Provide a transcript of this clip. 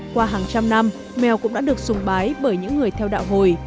qua hàng trăm năm mèo cũng đã được sùng bái bởi những người theo đạo hồi